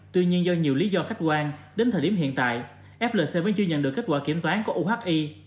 tuy nhiên do nhiều lý do khách quan đến thời điểm hiện tại flc vẫn chưa nhận được kết quả kiểm toán của uhi